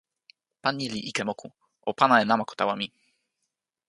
pan ni li ike moku. o pana e namako tawa mi.